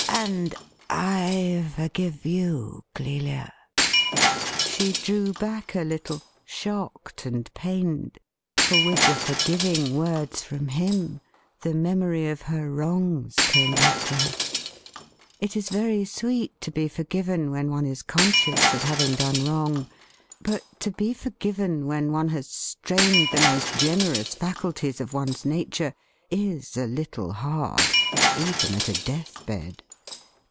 'And I forgive you, Clelia.' She drew back a little, shocked and pained. For with the forgiving words from him the memory of her wrongs came back to her. It is very sweet to be forgiven when one is conscious of having done wrong, but to be forgiven when one has strained the most generous faculties of one's nature is a little hard, even at a death bed.